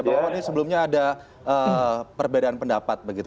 bang wawan sebelumnya ada perbedaan pendapat